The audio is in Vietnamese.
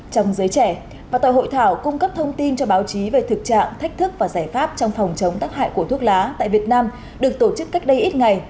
trong giới trẻ và tại hội thảo cung cấp thông tin cho báo chí về thực trạng thách thức và giải pháp trong phòng chống tắc hại của thuốc lá tại việt nam được tổ chức cách đây ít ngày